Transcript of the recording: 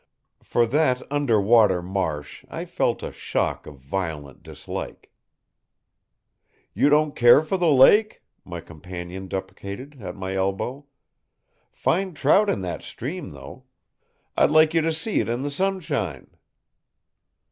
For that under water marsh I felt a shock of violent dislike. "You don't care for the lake?" my companion deprecated, at my elbow. "Fine trout in that stream, though! I'd like you to see it in the sunshine."